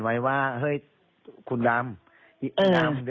แล้วยังไงได้